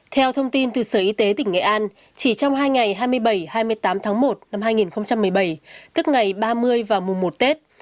theo thông tin từ sở y tế tỉnh nghệ an chỉ trong hai ngày hai mươi bảy hai mươi tám tháng một năm hai nghìn một mươi bảy tức ngày ba mươi và mùa một tết